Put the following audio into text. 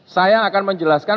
saya akan menjelaskan